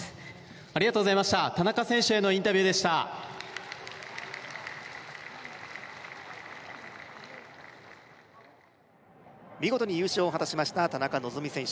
ありがとうございました田中選手へのインタビューでした見事に優勝を果たしました田中希実選手